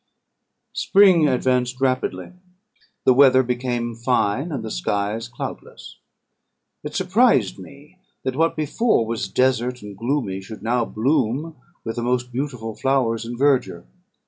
"Spring advanced rapidly; the weather became fine, and the skies cloudless. It surprised me, that what before was desert and gloomy should now bloom with the most beautiful flowers and verdure.